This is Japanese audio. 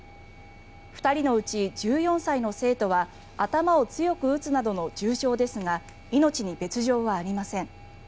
２人のうち１４歳の生徒は頭を強く打つなどの重傷ですが命に別条はありません。